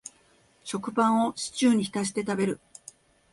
食パンをシチューに浸して食べる